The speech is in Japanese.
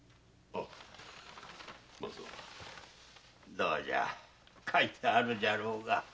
どうじゃ書いてあるじゃろうが。